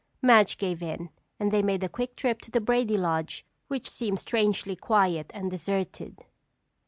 Madge gave in and they made a quick trip to the Brady lodge which seemed strangely quiet and deserted.